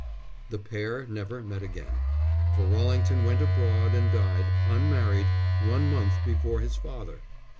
The pair never met again, for Rallington went abroad and died, unmarried, one month before his father.